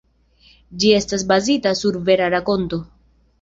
Ĝi estas bazita sur vera rakonto.